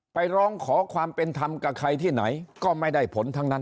ไปร้องขอความเป็นธรรมกับใครที่ไหนก็ไม่ได้ผลทั้งนั้น